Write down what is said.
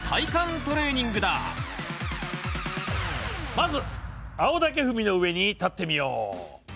まず青竹踏みの上に立ってみよう！